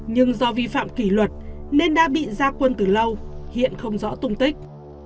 nhưng do vi phạm kỷ luật nên đã bị ra quân từ lâu hiện không rõ tung tích